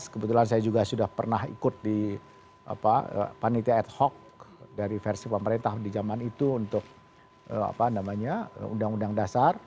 kebetulan saya juga sudah pernah ikut di panitia ad hoc dari versi pemerintah di zaman itu untuk undang undang dasar